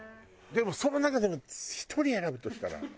でもその中でも１人選ぶとしたら？